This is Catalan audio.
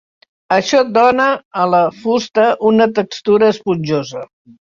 Això dona a la fusta una textura esponjosa.